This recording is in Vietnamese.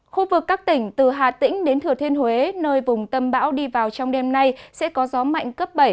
khu vực các tỉnh từ hà tĩnh đến thừa thiên huế nơi vùng tâm bão đi vào trong đêm nay sẽ có gió mạnh cấp bảy